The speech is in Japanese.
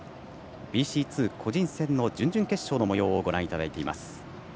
ＢＣ２、個人戦の準々決勝のもようをご覧いただいています。